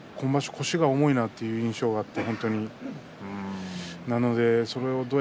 腰が重いなという印象があります。